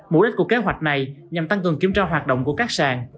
mục đích của kế hoạch này nhằm tăng cường kiểm tra hoạt động sản